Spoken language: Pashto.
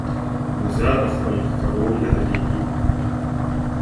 بزه خپل په ښکرو نه درنېږي.